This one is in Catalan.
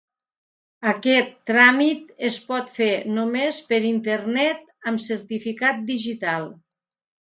Aquest tràmit es pot fer només per internet amb certificat digital.